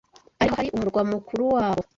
ari naho hari umurwa mukuru wabo